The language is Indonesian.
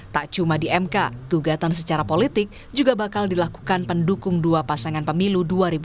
tak cuma di mk gugatan secara politik juga bakal dilakukan pendukung dua pasangan pemilu dua ribu dua puluh